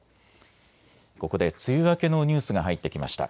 ここで梅雨明けのニュースが入ってきました。